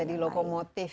jadi lokomotif yang unggul